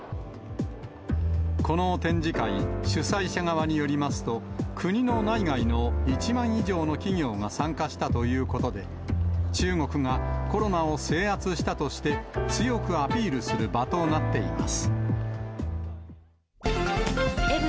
この展示会、主催者側によりますと、国の内外の１万以上の企業が参加したということで、中国がコロナを制圧したとして、強くアピールする場となっています。